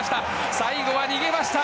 最後は逃げました。